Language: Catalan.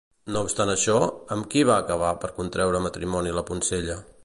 No obstant això, amb qui va acabar per contreure matrimoni la poncella?